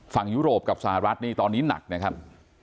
ยุโรปกับสหรัฐนี่ตอนนี้หนักนะครับ